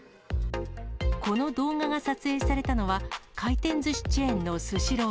この動画が撮影されたのは、回転ずしチェーンのスシロー。